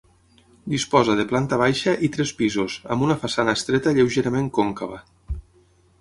Disposa de planta baixa i tres pisos, amb una façana estreta lleugerament còncava.